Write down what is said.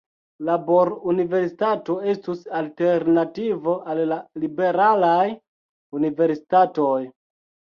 Labor-universitato estus alternativo al "liberalaj" universitatoj.